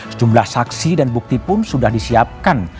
sejumlah saksi dan bukti pun sudah disiapkan